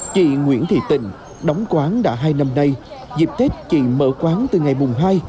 chị nguyễn thị tịnh đóng quán đã hai năm nay dịp tết chị mở quán từ ngày mùng hai